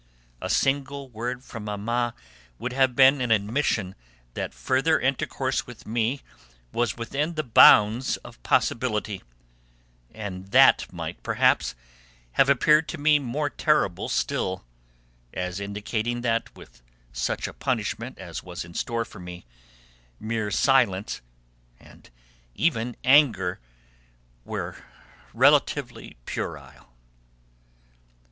A single word from Mamma would have been an admission that further intercourse with me was within the bounds of possibility, and that might perhaps have appeared to me more terrible still, as indicating that, with such a punishment as was in store for me, mere silence, and even anger, were relatively puerile.